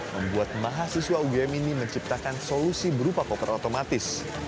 membuat mahasiswa ugm ini menciptakan solusi berupa koper otomatis